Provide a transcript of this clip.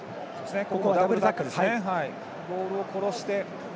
ダブルタックルですね。